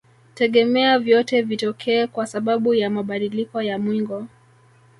Tegemea vyote vitokee kwa sababu ya mabadiliko ya mwingo